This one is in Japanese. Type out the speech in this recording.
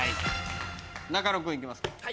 中野君行きますか。